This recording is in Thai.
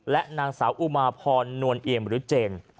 และนางสาวอุมาพรนวลเอียมหรือเจน